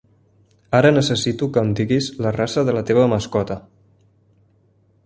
Ara necessito que em diguis la raça de la teva mascota.